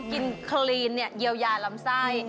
กินคลีนเนี่ยเยียวยาลำไส้